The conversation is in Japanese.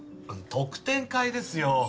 特典会ですよ